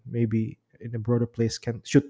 mungkin di tempat yang lebih luas